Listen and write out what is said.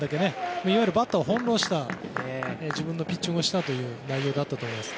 いわゆるバッターを翻弄した自分のピッチングをしたという内容だったと思います。